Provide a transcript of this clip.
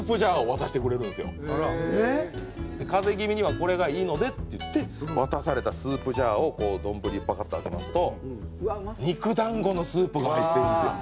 「風邪気味にはこれがいいので」って言って渡されたスープジャーをこう丼にパカッとあけますと肉団子のスープが入ってるんですよ。